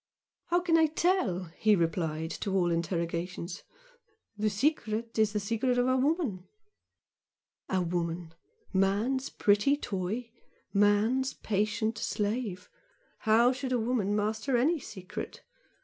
"How can I tell!" he replied, to all interrogations. "The secret is the secret of a woman!" A woman! Man's pretty toy! man's patient slave! How should a woman master any secret!